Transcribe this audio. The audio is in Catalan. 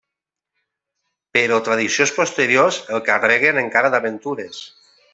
Però tradicions posteriors el carreguen encara d'aventures.